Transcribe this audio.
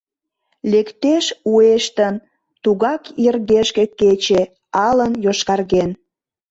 Лектеш, уэштын, тугак йыргешке кече, алын йошкарген.